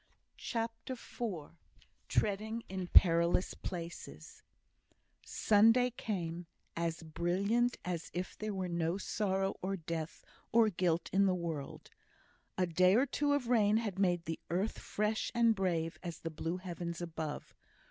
CHAPTER IV Treading in Perilous Places Sunday came, as brilliant as if there were no sorrow, or death, or guilt in the world; a day or two of rain had made the earth fresh and brave as the blue heavens above.